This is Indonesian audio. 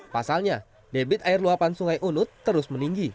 pasalnya debit air luapan sungai unut terus meninggi